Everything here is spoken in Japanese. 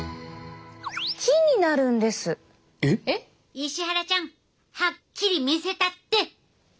石原ちゃんはっきり見せたって！